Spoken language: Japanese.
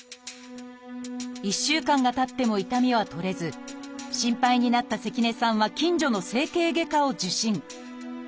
１週間がたっても痛みは取れず心配になった関根さんは近所の整形外科を受診。